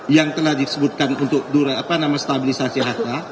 yang telah disebutkan untuk durai apa nama stabilisasi harga